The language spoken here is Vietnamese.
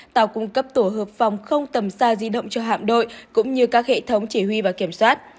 tàu cung cấp tổ hợp phòng không tầm xa di động cho hạm đội cũng như các hệ thống chỉ huy và kiểm soát